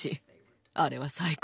あれは最高。